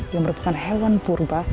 yang merupakan hewan purba